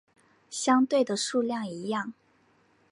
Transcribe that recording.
相对的数量一样。